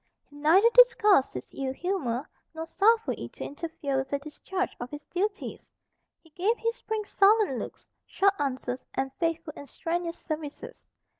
He neither disguised his ill humour, nor suffered it to interfere with the discharge of his duties. He gave his prince sullen looks, short answers, and faithful and strenuous services.